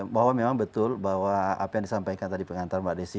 bahwa memang betul bahwa apa yang disampaikan tadi pengantar mbak desi